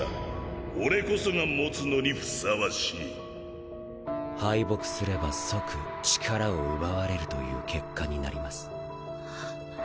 俺こそが持つのにふさわし敗北すれば即力を奪われるという結果になります。